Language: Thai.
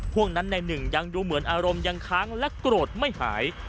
ห่วงนั้นในหนึ่งยังดูเหมือนอารมณ์ยังค้างและโกรธไม่หาย